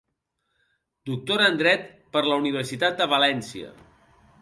Doctora en Dret per la Universitat de València.